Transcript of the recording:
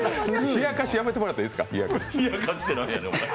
冷やかし、やめてもらっていいですか。